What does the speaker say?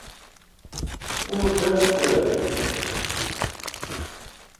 พูดเรื่อยเปื่อย